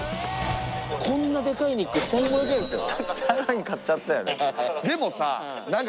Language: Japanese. こんなデカい肉１５００円ですよ。